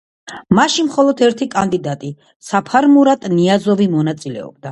მასში მხოლოდ ერთი კანდიდატი, საფარმურატ ნიაზოვი მონაწილეობდა.